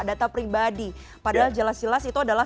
data pribadi padahal jelas jelas itu adalah